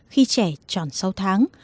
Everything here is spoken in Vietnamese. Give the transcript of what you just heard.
khi trẻ chọn sáu tháng